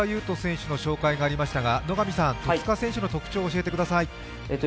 斗選手の紹介がありましたが戸塚選手の特徴を教えてください。